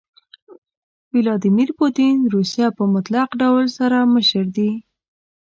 ويلاديمير پوتين روسيه په مطلق ډول سره مشر دي.